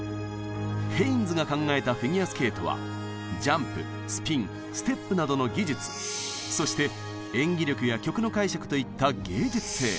ヘインズが考えたフィギュアスケートはジャンプスピンステップなどの「技術」そして演技力や曲の解釈といった「芸術性」